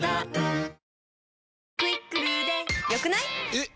えっ！